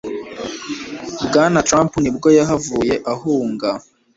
Bwana Trump nibwo yahavuye ahunga